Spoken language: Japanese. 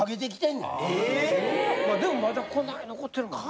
でもまだこない残ってるもんな。